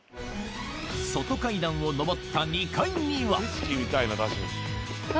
外階段を上った２階にはあ！